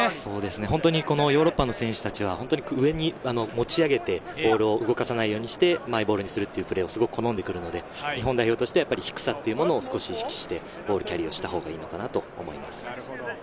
本当にヨーロッパの選手たちは上に持ち上げて、ボールを動かさないようにしてマイボールにするというプレーを好んでくるので、日本代表としては低さというものを意識してボールキャリーをしたほうがいいかなと思います。